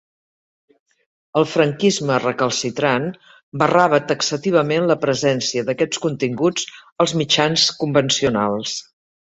El franquisme recalcitrant barrava taxativament la presència d'aquests continguts als mitjans convencionals.